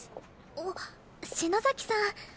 あっ篠崎さん。